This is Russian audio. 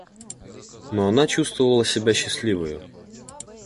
Но она чувствовала себя счастливою.